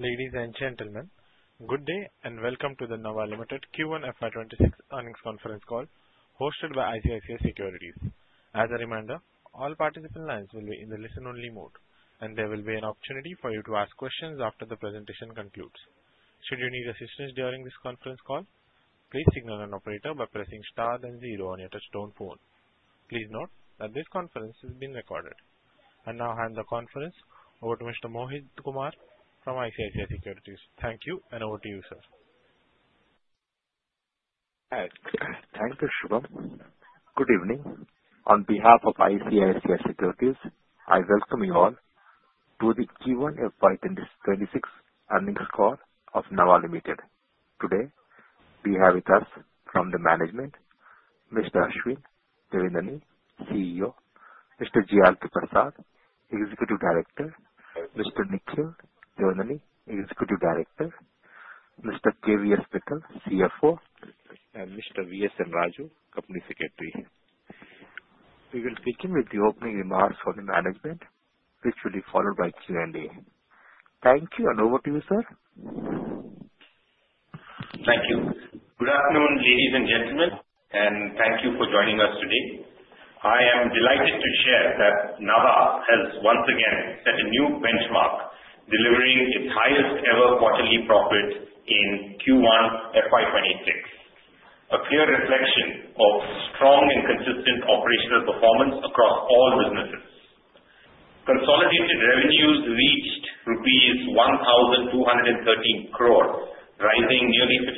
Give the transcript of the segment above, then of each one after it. Ladies and gentlemen, good day and welcome to the Nava Limited Q1 FY26 earnings conference call hosted by ICICI Securities. As a reminder, all participant lines will be in the listen-only mode, and there will be an opportunity for you to ask questions after the presentation concludes. Should you need assistance during this conference call, please signal an operator by pressing star then zero on your touch-tone phone. Please note that this conference is being recorded. Now I hand the conference over to Mr. Mohit Kumar from ICICI Securities. Thank you, and over to you, sir. Thank you, Shubham. Good evening. On behalf of ICICI Securities, I welcome you all to the Q1 FY26 earnings call of Nava Limited. Today, we have with us from the management, Mr. Ashwin Devineni, CEO, Mr. G.R.K. Prasad, Executive Director, Mr. Nikhil Devineni, Executive Director, Mr. K. V. S. Vithal, CFO, and Mr. V. S. Raju, Company Secretary. We will begin with the opening remarks from the management, which will be followed by Q&A. Thank you, and over to you, sir. Thank you. Good afternoon, ladies and gentlemen, and thank you for joining us today. I am delighted to share that Nava has once again set a new benchmark, delivering its highest-ever quarterly profit in Q1 FY26, a clear reflection of strong and consistent operational performance across all businesses. Consolidated revenues reached rupees 1,213 crores, rising nearly 15%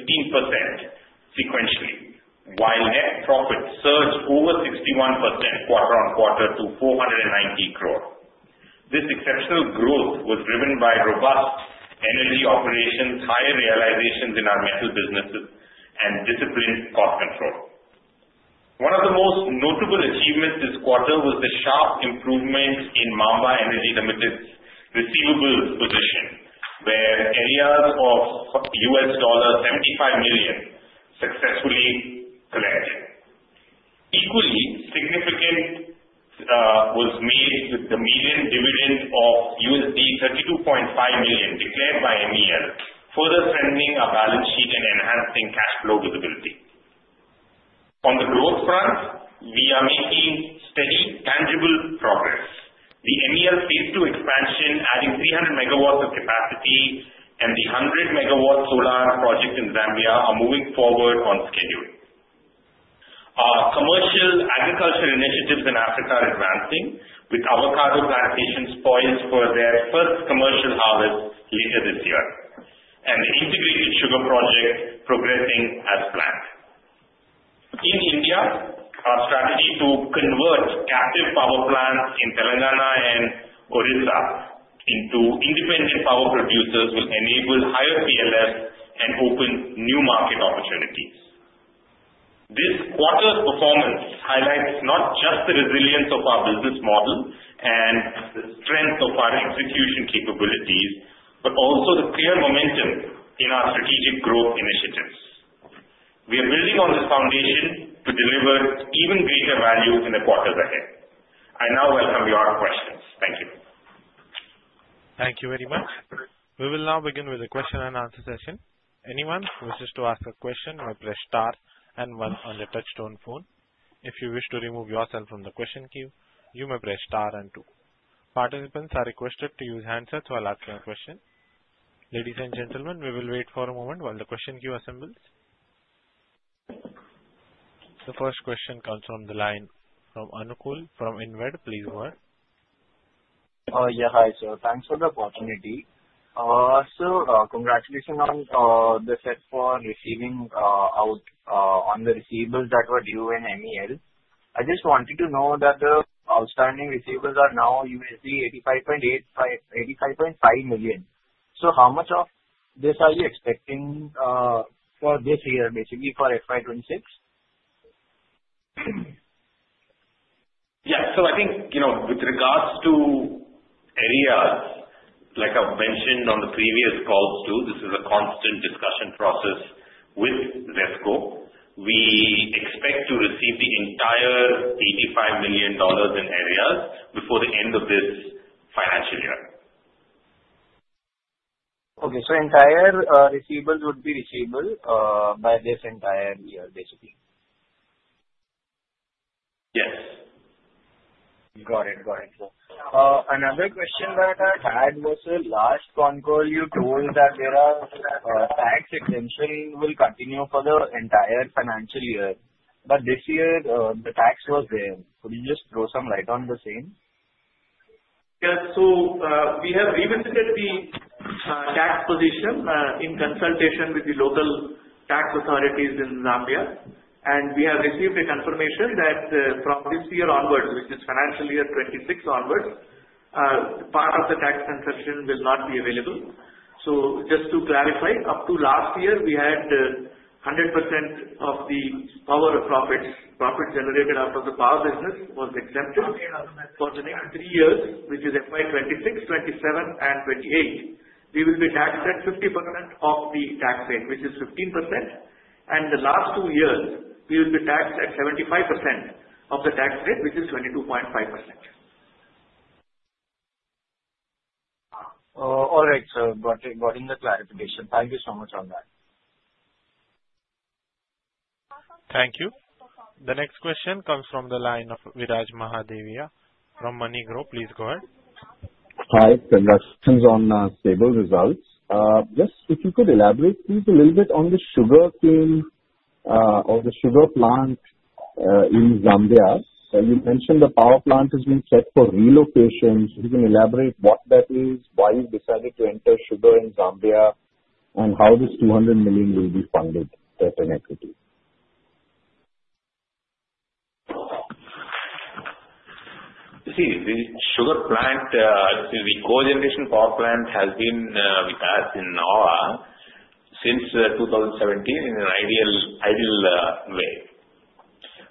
sequentially, while net profit surged over 61% quarter-on-quarter to 490 crores. This exceptional growth was driven by robust energy operations, higher realizations in our metal businesses, and disciplined cost control. One of the most notable achievements this quarter was the sharp improvement in Maamba Energy Limited's receivables position, where arrears of $75 million were successfully collected. Equally significant was the maiden dividend of $32.5 million declared by MEL, further strengthening our balance sheet and enhancing cash flow visibility. On the growth front, we are making steady, tangible progress. The MEL Phase 2 expansion, adding 300 megawatts of capacity, and the 100-megawatt solar project in Zambia are moving forward on schedule. Our commercial agricultural initiatives in Africa are advancing, with avocado plantations poised for their first commercial harvest later this year, and the integrated sugar project progressing as planned. In India, our strategy to convert captive power plants in Telangana and Odisha into independent power producers will enable higher PLFs and open new market opportunities. This quarter's performance highlights not just the resilience of our business model and the strength of our execution capabilities, but also the clear momentum in our strategic growth initiatives. We are building on this foundation to deliver even greater value in the quarters ahead. I now welcome your questions. Thank you. Thank you very much. We will now begin with a question-and-answer session. Anyone who wishes to ask a question may press star and one on the touch-tone phone. If you wish to remove yourself from the question queue, you may press star and two. Participants are requested to use handsets while asking a question. Ladies and gentlemen, we will wait for a moment while the question queue assembles. The first question comes from the line of Anukul from InCred. Please go ahead. Yeah, hi, sir. Thanks for the opportunity. Sir, congratulations on the success in recovering the receivables that were due in MEL. I just wanted to know that the outstanding receivables are now $85.5 million. So how much of this are you expecting for this year, basically for FY26? Yes. So I think with regards to arrears, like I've mentioned on the previous calls too, this is a constant discussion process with ZESCO. We expect to receive the entire $85 million in arrears before the end of this financial year. Okay. So entire receivables would be receivables by this entire year, basically? Yes. Got it. Got it. Another question that I had was last con call, you told that there are tax exemptions will continue for the entire financial year. But this year, the tax was there. Could you just throw some light on the same? Yeah. So we have revisited the tax position in consultation with the local tax authorities in Zambia. And we have received a confirmation that from this year onwards, which is financial year 26 onwards, part of the tax concession will not be available. So just to clarify, up to last year, we had 100% of the power profits, profits generated out of the power business, were exempted. For the next three years, which is FY26, 27, and 28, we will be taxed at 50% of the tax rate, which is 15%. And the last two years, we will be taxed at 75% of the tax rate, which is 22.5%. All right, sir. Got it. Got the clarification. Thank you so much on that. Thank you. The next question comes from the line of Viraj Mahadevia from MoneyGrow. Please go ahead. Hi, sir. Questions on stable results. Just if you could elaborate, please, a little bit on the sugar cane or the sugar plant in Zambia. You mentioned the power plant has been set for relocation. You can elaborate what that is, why you decided to enter sugar in Zambia, and how this 200 million will be funded as an equity? See, the sugar plant, the co-generation power plant has been with us in Nava since 2017 in an ideal way.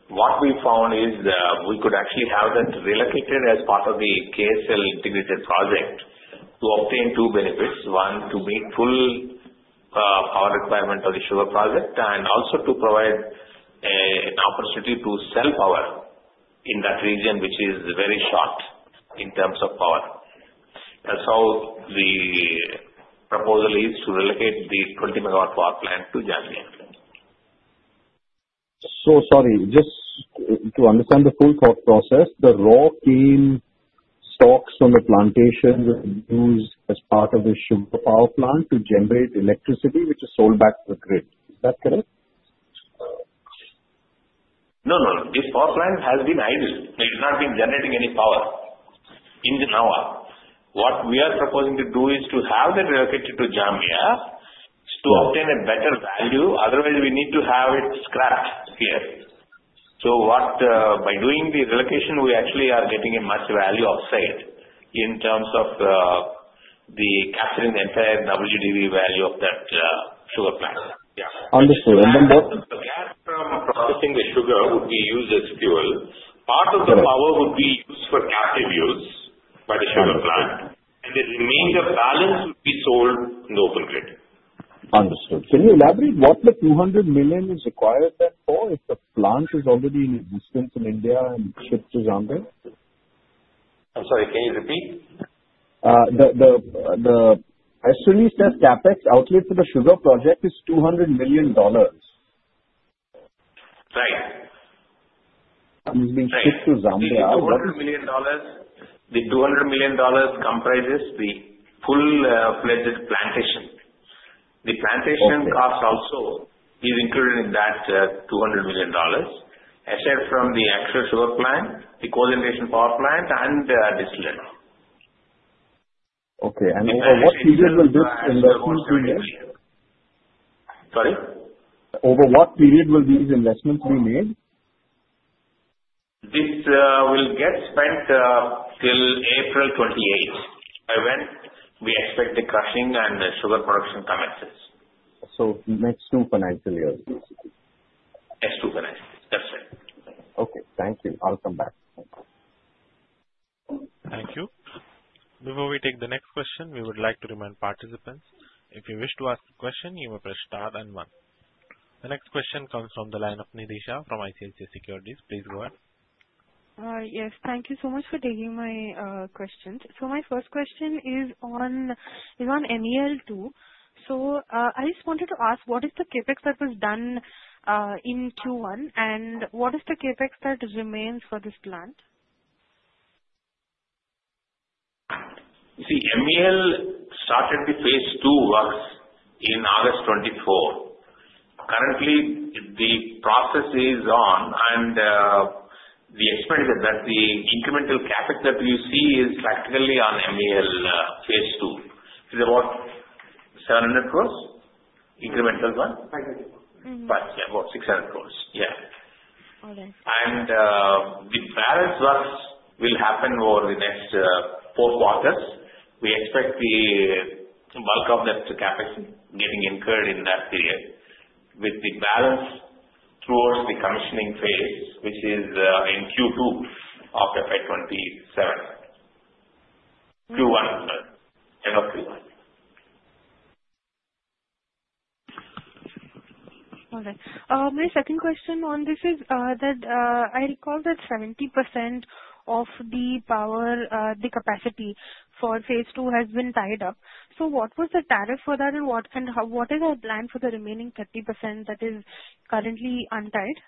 What we found is we could actually have that relocated as part of the KSL integrated project to obtain two benefits. One, to meet full power requirement of the sugar project, and also to provide an opportunity to sell power in that region, which is very short in terms of power. That's how the proposal is to relocate the 20-megawatt power plant to Zambia. So sorry, just to understand the full thought process, the raw cane stalks from the plantation were used as part of the sugar power plant to generate electricity, which is sold back to the grid. Is that correct? No, no, no. This power plant has been idle. It has not been generating any power in the Nava. What we are proposing to do is to have that relocated to Zambia to obtain a better value. Otherwise, we need to have it scrapped here. So by doing the relocation, we actually are getting a much value off-site in terms of capturing the entire WDV value of that sugar plant. Understood. And then what? The gas from processing the sugar would be used as fuel. Part of the power would be used for captive use by the sugar plant, and the remainder balance would be sold in the open grid. Understood. Can you elaborate what the 200 million is required then for if the plant is already in existence in India and shipped to Zambia? I'm sorry. Can you repeat? The estimated CapEx outlay for the sugar project is $200 million. Right. It's being shipped to Zambia. The $200 million comprises the full plantation. The plantation cost also is included in that $200 million, aside from the actual sugar plant, the co-generation power plant, and distillery. Okay, and over what period will this investment be made? Sorry? Over what period will these investments be made? This will get spent till April 28th, when we expect the crushing and the sugar production commences. Next two financial years. Next two financial years. That's it. Okay. Thank you. I'll come back. Thank you. Before we take the next question, we would like to remind participants, if you wish to ask a question, you may press star and one. The next question comes from the line of Nidhi Shah from ICICI Securities. Please go ahead. Yes. Thank you so much for taking my questions. So my first question is on MEL too. So I just wanted to ask, what is the CapEx that was done in Q1, and what is the CapEx that remains for this plant? See, MEL started the Phase II works in August 2024. Currently, the process is on, and the incremental CapEx that you see is practically on MEL Phase II. It's about 700 crores? Incremental one? Right. About 600 crores. Yeah. All right. And the balance works will happen over the next four quarters. We expect the bulk of that CapEx getting incurred in that period, with the balance towards the commissioning phase, which is in Q2 of FY27. Q1, end of Q1. All right. My second question on this is that I recall that 70% of the capacity for Phase II has been tied up. So what was the tariff for that, and what is our plan for the remaining 30% that is currently untied?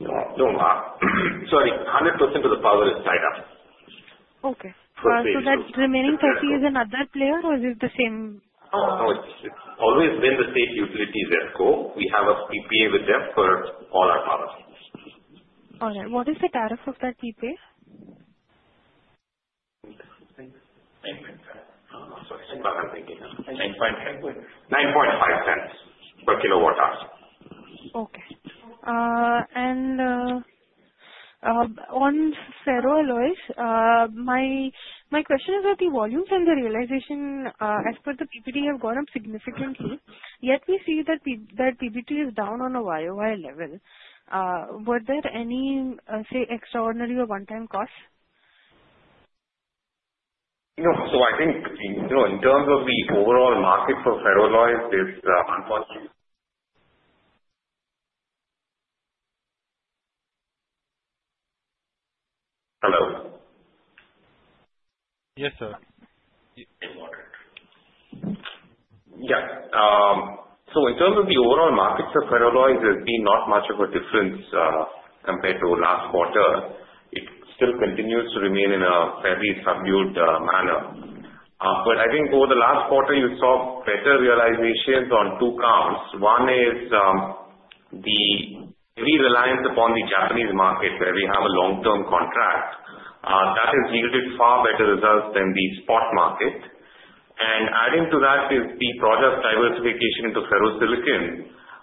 Sorry. 100% of the power is tied up. Okay. So that remaining 30 is another player, or is it the same? Oh, no. It's always been the same utility, ZESCO. We have a PPA with them for all our power. All right. What is the tariff of that PPA? $0.095. Sorry. I'm thinking. $0.095 per kilowatt hour. Okay. And on ferroalloys, my question is that the volumes and the realization as per the PPT have gone up significantly. Yet we see that PPT is down on a YoY. Were there any, say, extraordinary or one-time costs? No. So I think in terms of the overall market for ferroalloys, there's. One more time. Hello? Yes, sir. Yeah. So in terms of the overall market for ferroalloys, there's been not much of a difference compared to last quarter. It still continues to remain in a fairly subdued manner. But I think over the last quarter, you saw better realizations on two counts. One is the heavy reliance upon the Japanese market, where we have a long-term contract. That has yielded far better results than the spot market. And adding to that is the project diversification into Ferro Silicon.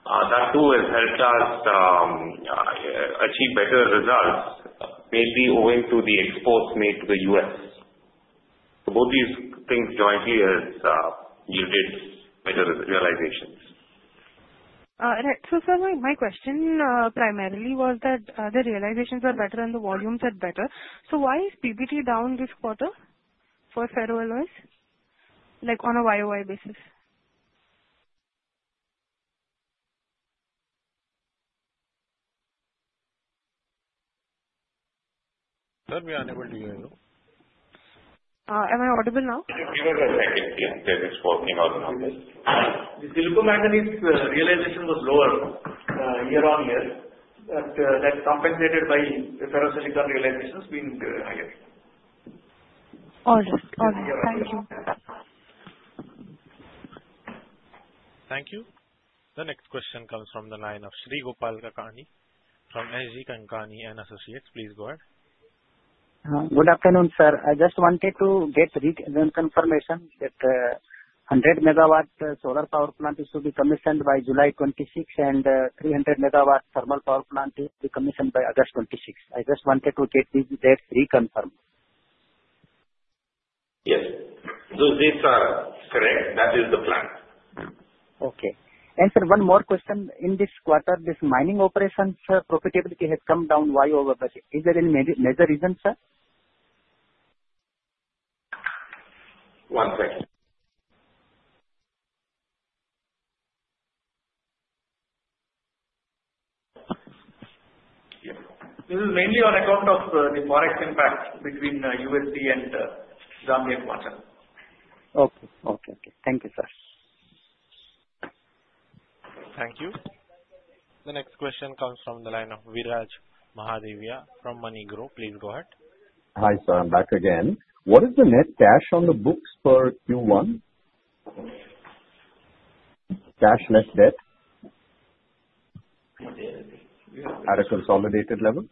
That too has helped us achieve better results, mainly owing to the exports made to the U.S. So both these things jointly have yielded better realizations. Right. So my question primarily was that the realizations are better and the volumes are better. So why is EBITDA down this quarter for ferroalloys, on a YoY basis? Sorry, we aren't able to hear you. Am I audible now? Give us a second. Yeah. They're just working on numbers. Silico Manganese's realization was lower year on year, but that's compensated by the Ferro Silicon realizations being higher. All right. All right. Thank you. Thank you. The next question comes from the line of Sri Gopal Kakani from SG Kankani & Associates. Please go ahead. Good afternoon, sir. I just wanted to get reconfirmation that the 100-megawatt solar power plant is to be commissioned by July 26, and 300-megawatt thermal power plant is to be commissioned by August 26. I just wanted to get that reconfirmed. Yes. So these are correct. That is the plan. Okay. And sir, one more question. In this quarter, this mining operation, sir, profitability has come down while. Is there any major reason, sir? One second. This is mainly on account of the forex impact between USD and Zambian Kwacha. Okay. Okay. Okay. Thank you, sir. Thank you. The next question comes from the line of Viraj Mahadevia from MoneyGrow. Please go ahead. Hi, sir. I'm back again. What is the net cash on the books for Q1? Cash net debt at a consolidated level?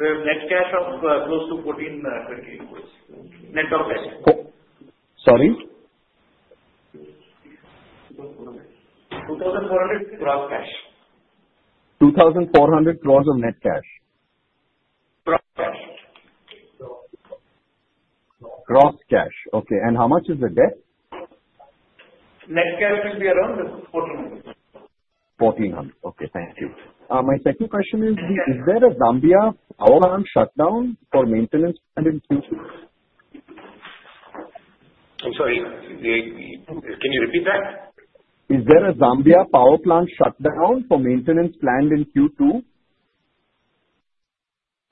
Net cash of close to 1,428 crores. Sorry? 2,400 crores cash. 2,400 cores of net cash? Crores cash. Crores cash. Okay. And how much is the debt? Net cash will be around 1,400. 1,400. Okay. Thank you. My second question is, is there a Zambia power plant shutdown for maintenance planned in Q2? I'm sorry. Can you repeat that? Is there a Zambia power plant shutdown for maintenance planned in Q2?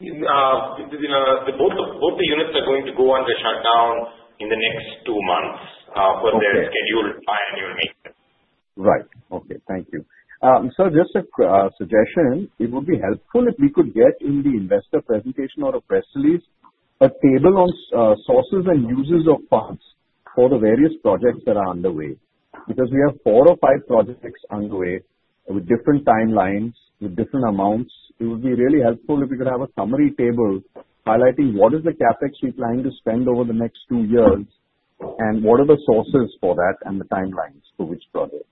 Both the units are going to go under shutdown in the next two months for their scheduled biannual maintenance. Right. Okay. Thank you. Sir, just a suggestion. It would be helpful if we could get in the investor presentation or a press release a table on sources and uses of funds for the various projects that are underway. Because we have four or five projects underway with different timelines, with different amounts. It would be really helpful if we could have a summary table highlighting what is the CapEx we plan to spend over the next two years, and what are the sources for that, and the timelines for which project. Sure. We'll make sure. Can I?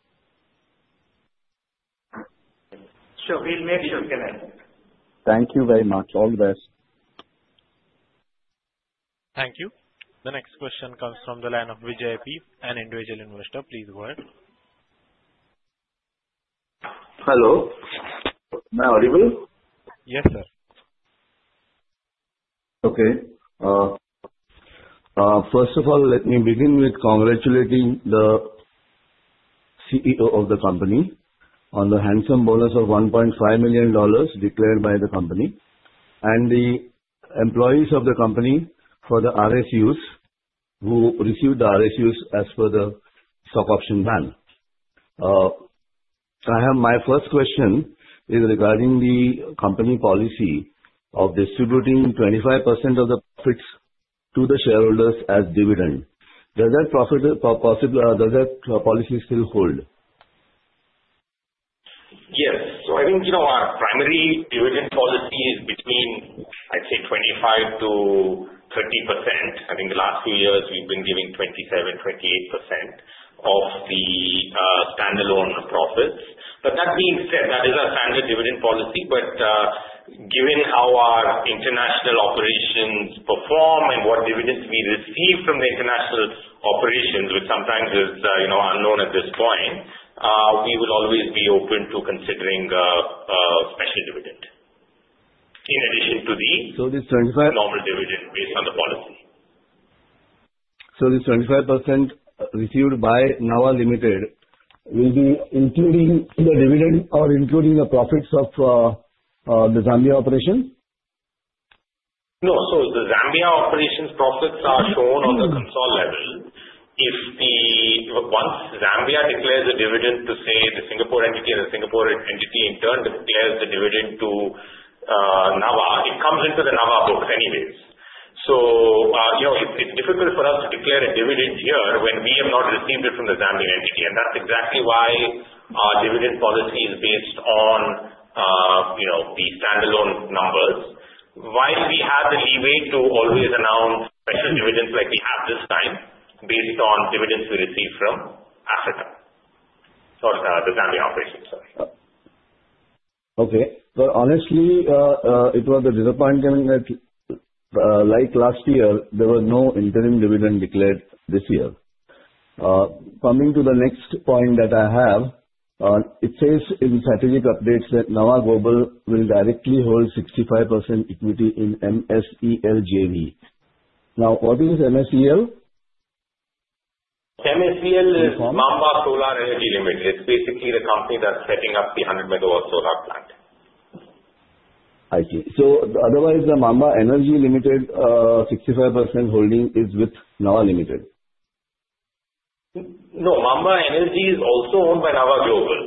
Thank you very much. All the best. Thank you. The next question comes from the line of Vijay Peep, an individual investor. Please go ahead. Hello. Am I audible? Yes, sir. Okay. First of all, let me begin with congratulating the CEO of the company on the handsome bonus of $1.5 million declared by the company, and the employees of the company for the RSUs who received the RSUs as per the stock option plan. My first question is regarding the company policy of distributing 25% of the profits to the shareholders as dividend. Does that policy still hold? Yes. So I think our primary dividend policy is between, I'd say, 25%-30%. I think the last few years, we've been giving 27%-28% of the standalone profits. But that being said, that is our standard dividend policy. But given how our international operations perform and what dividends we receive from the international operations, which sometimes is unknown at this point, we will always be open to considering special dividend in addition to the. So this 25. Normal dividend based on the policy. So this 25% received by Nava Limited will be including the dividend or including the profits of the Zambia operation? No. So the Zambia operation's profits are shown on the consolidated level. Once Zambia declares a dividend to, say, the Singapore entity, and the Singapore entity in turn declares the dividend to Nava, it comes into the Nava's books anyways. So it's difficult for us to declare a dividend here when we have not received it from the Zambian entity, and that's exactly why our dividend policy is based on the standalone numbers, while we have the leeway to always announce special dividends like we have this time based on dividends we receive from Africa, sorry, the Zambian operation. Sorry. Okay. But honestly, it was a disappointment that, like last year, there was no interim dividend declared this year. Coming to the next point that I have, it says in strategic updates that Nava Global will directly hold 65% equity in MSEL JV. Now, what is MSEL? MSEL is Maamba Solar Energy Limited. It's basically the company that's setting up the 100-megawatt solar plant. I see. So otherwise, the Maamba Energy Limited 65% holding is with Nava Limited? No. Maamba Energy is also owned by Nava Global.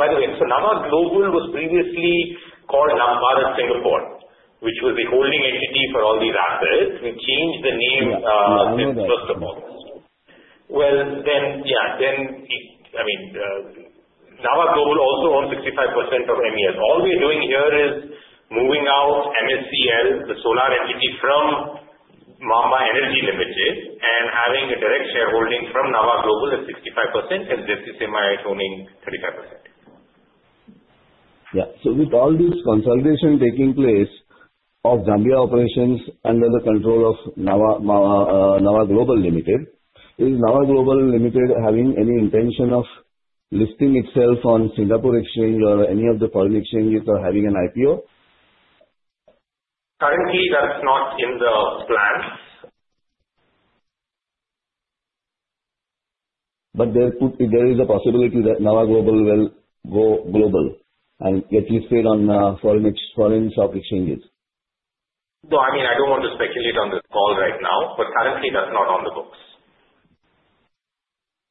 By the way, so Nava Global was previously called Nava Bharat at Singapore, which was the holding entity for all these assets. We changed the name since first of all, well, yeah, I mean, Nava Global also owns 65% of MEL. All we're doing here is moving out MSEL, the solar entity, from Maamba Energy Limited and having a direct shareholding from Nava Global at 65%, and JCM Power owning 35%. Yeah. So with all this consolidation taking place of Zambia operations under the control of Nava Global Limited, is Nava Global Limited having any intention of listing itself on Singapore Exchange or any of the foreign exchanges or having an IPO? Currently, that's not in the plans. But there is a possibility that Nava Global will go global and get listed on foreign stock exchanges? No. I mean, I don't want to speculate on this call right now, but currently, that's not on the books.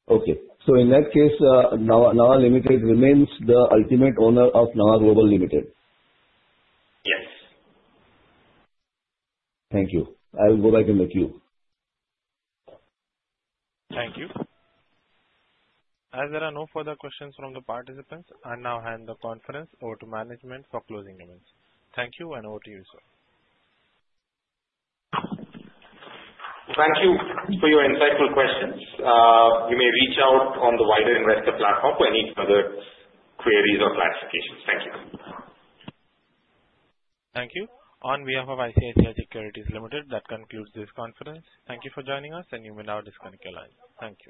Okay. So in that case, Nava Limited remains the ultimate owner of Nava Global Limited? Yes. Thank you. I'll go back in the queue. Thank you. Are there no further questions from the participants? I now hand the conference over to management for closing comments. Thank you, and over to you, sir. Thank you for your insightful questions. You may reach out on the wider investor platform for any further queries or clarifications. Thank you. Thank you. On behalf of ICICI Securities Limited, that concludes this conference. Thank you for joining us, and you may now disconnect your line. Thank you.